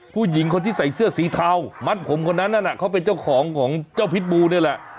ผู้หญิงคนที่ใส่เสื้อสีเทามัดผมคนนั้นนั่นเขาเป็นเจ้าของของเจ้าพิษบูนี่แหละ